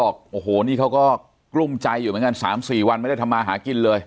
บอกโอ้โหนี่เขาก็กลุ้มใจอยู่เหมือนกัน๓๔วันไม่ได้ทำมาหากินเลย